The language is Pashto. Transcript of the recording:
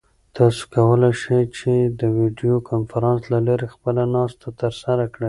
تاسو کولای شئ چې د ویډیویي کنفرانس له لارې خپله ناسته ترسره کړئ.